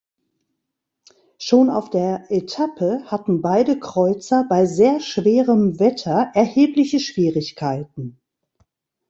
Schon auf der Etappe hatten beide Kreuzer bei sehr schwerem Wetter erhebliche Schwierigkeiten.